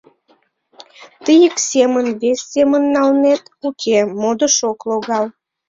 Тый ик семын, вес семын налнет — уке, модыш ок логал.